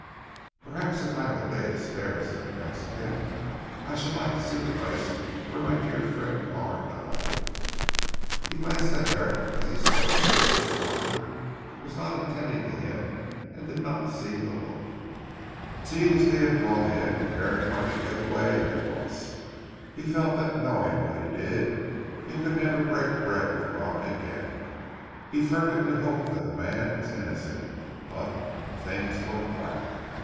"Perhaps, if I have a day to spare," said the Mexican. "I should like to see the place where my dear friend Carr died." He glanced at Herrick as he spoke, but the doctor was not attending to him and did not see the look. Tea was being brought in, and Herrick wanted to get away at once. He felt that knowing what he did, he could never break bread with Robin again. He fervently hoped that the man was innocent, but things looked black.